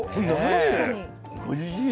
おいしい。